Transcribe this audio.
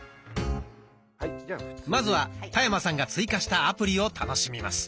まずは田山さんが追加したアプリを楽しみます。